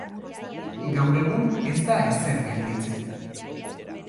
Gaur egun ez da ezer gelditzen.